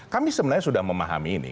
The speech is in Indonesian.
kami sebenarnya sudah memahami ini